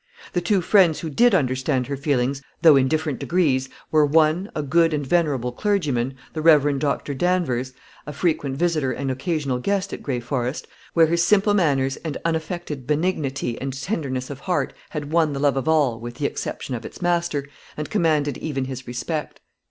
The two friends who did understand her feelings, though in different degrees, were, one, a good and venerable clergyman, the Rev. Doctor Danvers, a frequent visitor and occasional guest at Gray Forest, where his simple manners and unaffected benignity and tenderness of heart had won the love of all, with the exception of its master, and commanded even his respect.